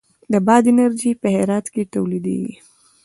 د باد انرژي په هرات کې تولیدیږي